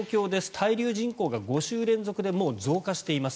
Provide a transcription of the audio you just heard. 滞留人口が５週連続でもう増加しています。